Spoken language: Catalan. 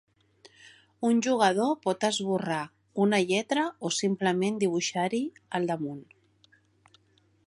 Un jugador pot esborrar una lletra o simplement dibuixar-hi al damunt.